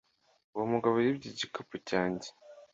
Uwo mugabo yibye igikapu cyanjye.